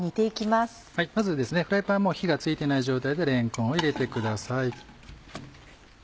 まずフライパン火が付いてない状態でれんこんを入れてください。